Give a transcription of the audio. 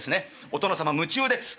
お殿様夢中で。